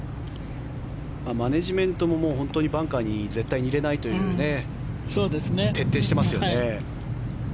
マネジメントもバンカーに絶対入れないというね徹底してますよね。